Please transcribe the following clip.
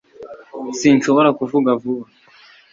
s sinshobora kuvuga vuba